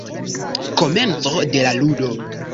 Komenco de la ludo.